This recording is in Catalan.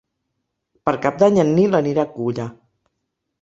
Per Cap d'Any en Nil anirà a Culla.